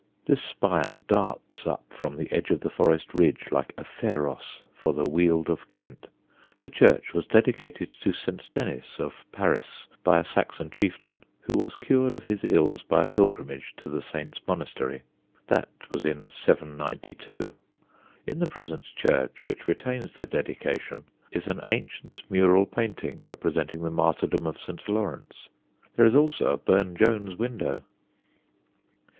This spire darts up from the edge of the forest ridge like a Pharos for the Weald of Kent. The church was dedicated to St. Denis of Paris by a Saxon chieftain who was cured of his ills by a pilgrimage to the Saint's monastery. That was in 792. In the present church, which retains the dedication, is an ancient mural painting representing the martyrdom of St. Lawrence. There is also a Burne Jones window.